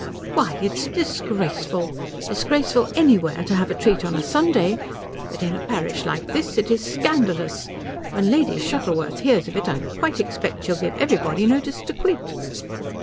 "Why, it's disgraceful disgraceful anywhere to have a treat on a Sunday; but in a parish like this it is scandalous. When Lady Shuttleworth hears of it I quite expect she'll give everybody notice to quit."